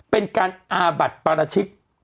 เป็นการอาบัดประมาทชิก